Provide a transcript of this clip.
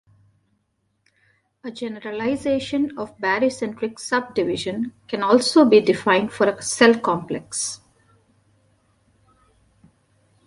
A generalization of barycentric subdivision can also be defined for a cell complex.